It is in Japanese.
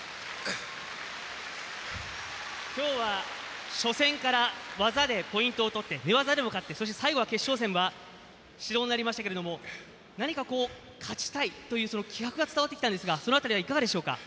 今日は、初戦から技でポイントを取って寝技でも勝って、最後の決勝戦は指導になりましたけれども何か、勝ちたいという気迫が伝わってきたんですがその辺りはいかがですか。